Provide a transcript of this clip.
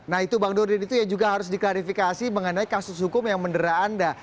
nah itu bang dodin itu yang juga harus diklarifikasi mengenai kasus hukum yang mendera anda